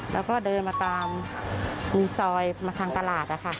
แล้วก็เดินมาตามในซอยมาทางตลาด